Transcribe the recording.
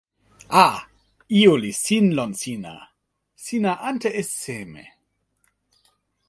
a, ijo li sin lon sina. sina ante e seme?